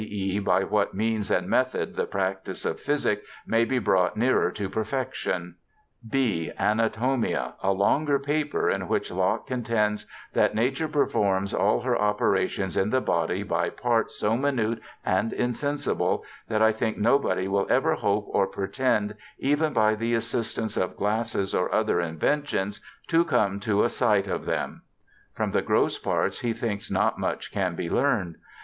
e. by what means and method the practice of physic may be brought nearer to per fection,' (b) Anatomia, a longer paper, in which Locke contends ' that nature performs all her operations in the body by parts so minute and insensible that I think nobody will ever hope or pretend even by the assis tance of glasses or other inventions to come to a sight of them '. From the gross parts he thinks not much can be learned.